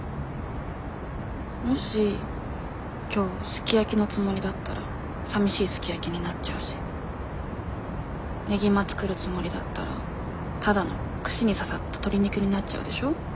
もし今日すき焼きのつもりだったらさみしいすき焼きになっちゃうしねぎま作るつもりだったらただの串に刺さった鶏肉になっちゃうでしょ。